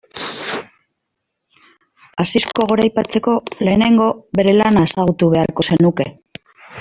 Asisko goraipatzeko lehenengo bere lana ezagutu beharko zenuke.